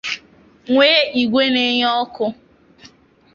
nwee igwè na-enye ọkụ